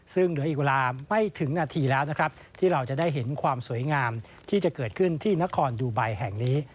ซึ่งเหลืออีกเวลาไม่ถึงนาทีแล้วนะครับที่เราจะได้เห็นความสวยงามที่จะเกิดขึ้นที่นครดูไบแห่งนี้